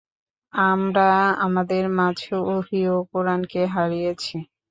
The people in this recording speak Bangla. আমরা আমাদের মাঝে ওহী ও কুরআনকে হারিয়েছি।